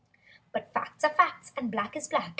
But facts are facts, and black is black.